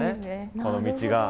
この道が。